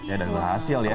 ya dan berhasil ya